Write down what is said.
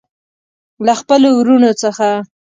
له خپلو وروڼو څخه.